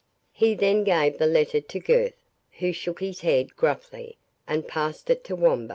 He then gave the letter to Gurth, who shook his head gruffly, and passed it to Wamba.